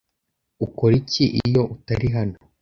Ukora iki iyo utari hano